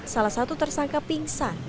salah satu tersangka pingsan